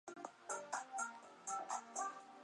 现时台长为莫凤仪。